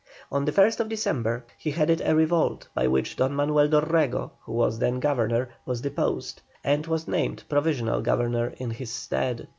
On the 1st December he headed a revolt by which Don Manuel Dorrego, who was then Governor, was deposed, and was named Provisional Governor in his stead.